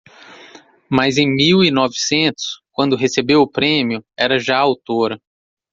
mas, em mil e novecentos, quando recebeu o prémio, era já autora.